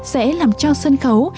sẽ làm cho sân khấu